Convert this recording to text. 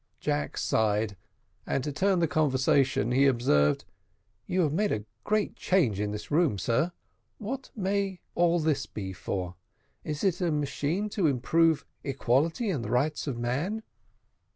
Jack sighed, and to turn the conversation he observed, "You have made a great change in this room, sir. What may all this be for? Is it a machine to improve equality and the rights of man?"